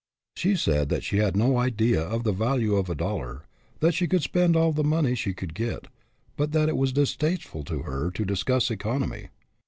She said that she had no idea of the value of a dollar, that she could spend all the money she could get, but that it was distasteful to her to discuss economy.